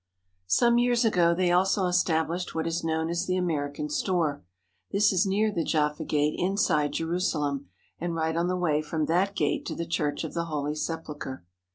Some years ago they also established what is known as the American store. This is near the Jaffa Gate inside Jerusalem, and right on the way from that gate to the Church of the Holy Sepulchre.